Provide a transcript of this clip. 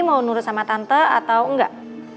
menurut sama tante atau enggak